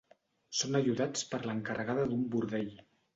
Són ajudats per l'encarregada d'un bordell.